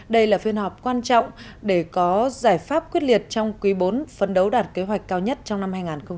đây là phiên họp quan trọng để có giải pháp quyết liệt trong quý bốn phân đấu đạt kế hoạch cao nhất trong năm hai nghìn một mươi sáu